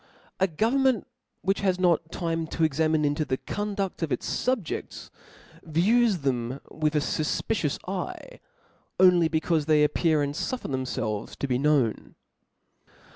A government which has ;not time toex ermine into the conduA of its fubj^dls, views them with a fufpicious eye. Only becaufe they appear, ^nd fuffer themfelves to be known.